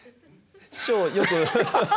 師匠よく。